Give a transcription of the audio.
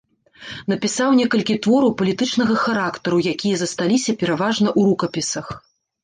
Напісаў некалькі твораў палітычнага характару, якія засталіся пераважна ў рукапісах.